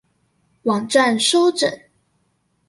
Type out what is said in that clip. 網站收整